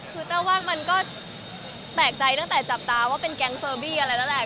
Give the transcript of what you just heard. คือแต้วว่ามันก็แปลกใจตั้งแต่จับตาว่าเป็นแก๊งเฟอร์บี้อะไรแล้วแหละ